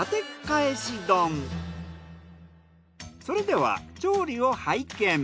それでは調理を拝見。